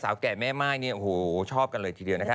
สาวแก่แม่ไหม้เนี่ยโหชอบกันเลยทีเดียวนะ